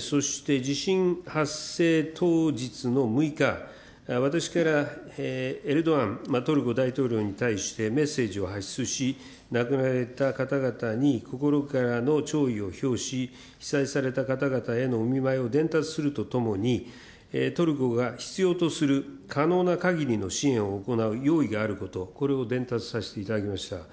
そして、地震発生当日の６日、私からエルドアントルコ大統領に対してメッセージを発出し、亡くなられた方々に心からの弔意を表し、被災された方々へのお見舞いを伝達するとともに、トルコが必要とする可能なかぎりの支援を行う用意があること、これを伝達させていただきました。